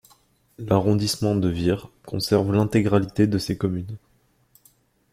L'arrondissment de Vire conserve l'intégralité de ses communes.